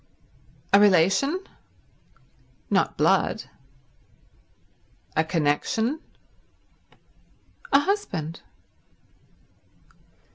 "A relation?" "Not blood." "A connection?" "A husband."